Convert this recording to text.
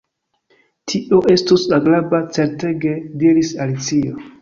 "Tio estus agrabla, certege," diris Alicio.